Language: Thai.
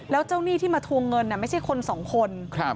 แล้วเจ้าหนี้ที่มาทวงเงินไม่ใช่คนสองคน